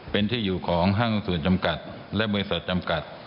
เป็นที่อยู่ของห้างส่วนจำกัดและบริษัทจำกัด